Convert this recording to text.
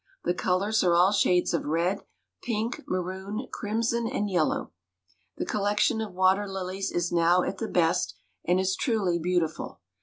The colors are all shades of red, pink, maroon, crimson and yellow. The collection of water lilies is now at the best and is truly beautiful.